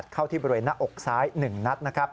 เข้าที่บริเวณหน้าอกซ้าย๑นัดนะครับ